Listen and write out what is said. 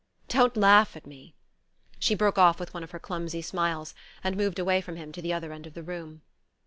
Don't laugh at me...." She broke off with one of her clumsy smiles, and moved away from him to the other end of the room.